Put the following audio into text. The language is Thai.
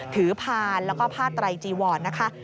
ถือพานแล้วก็ผ้าไตรจีวอร์ดนะคะ